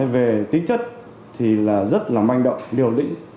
về tính chất thì là rất là manh động liều lĩnh